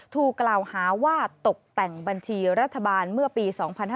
ถูกกล่าวหาว่าตกแต่งบัญชีรัฐบาลเมื่อปี๒๕๕๙